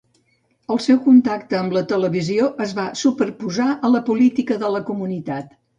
El seu contacte amb la televisió es va superposar a la política de la comunitat.